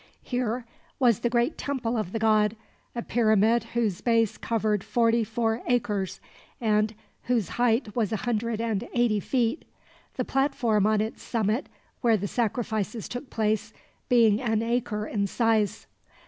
Here was the great temple of the god, a pyramid whose base covered forty four acres, and whose height was a hundred and eighty feet; the platform on its summit, where the sacrifices took place, being an acre in size.